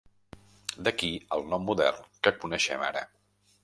D'aquí el nom modern que coneixem ara.